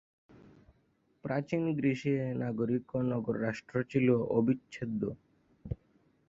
প্রাচীন গ্রীসে নাগরিক ও নগর রাষ্ট্র ছিল অবিচ্ছেদ্য।